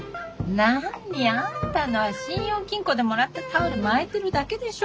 何あんたのは信用金庫でもらったタオル巻いてるだけでしょ。